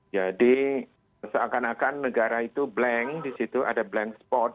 jadi seakan akan negara itu blank disitu ada blank spot